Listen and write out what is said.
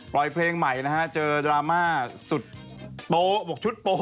เพลงใหม่นะฮะเจอดราม่าสุดโป๊บอกชุดโป๊